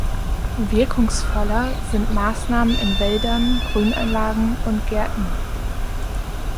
Wirkungsvoller sind Maßnahmen in Wäldern, Grünanlagen und Gärten.